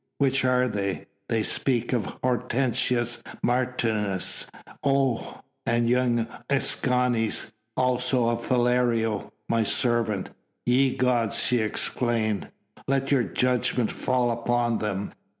"Which are they?" "They speak of Hortensius Martius." "Oh!" "And of young Escanes ... also of Philario, my servant." "Ye gods," she exclaimed, "let your judgments fall upon them."